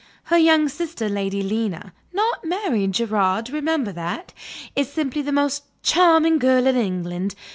Her younger sister, Lady Lena not married, Gerard; remember that! is simply the most charming girl in England.